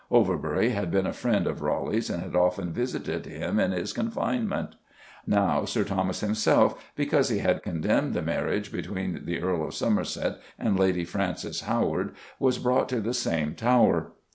Overbury had been a friend of Raleigh's, and had often visited him in his confinement; now Sir Thomas himself, because he had condemned the marriage between the Earl of Somerset and Lady Frances Howard, was brought to the same tower.